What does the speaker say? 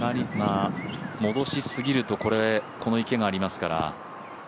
戻しすぎますとこの池がありますから。